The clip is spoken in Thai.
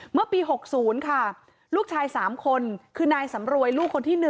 เมื่อปี๖๐ค่ะลูกชาย๓คนคือนายสำรวยลูกคนที่๑